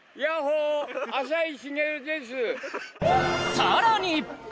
さらに！